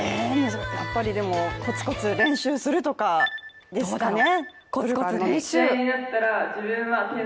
やっぱりでもコツコツ練習するとかですかね？